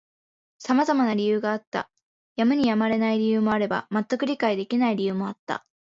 様々な理由があった。やむにやまれない理由もあれば、全く理解できない理由もあった。